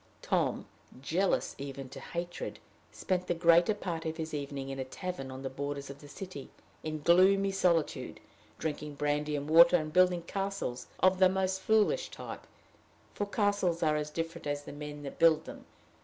Tom, jealous even to hatred, spent the greater part of his evening in a tavern on the borders of the city in gloomy solitude, drinking brandy and water, and building castles of the most foolish type for castles are as different as the men that build them.